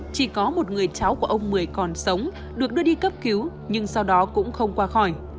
chỉ có một người cháu của ông mười còn sống được đưa đi cấp cứu nhưng sau đó cũng không qua khỏi